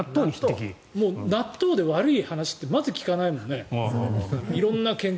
納豆で悪い話ってまず聞かないもんね。